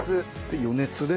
余熱で。